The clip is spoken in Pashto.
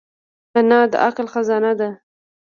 انا د عقل خزانه ده